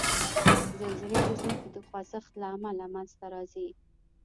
زلزلې د ځمکې د خوځښت له امله منځته راځي.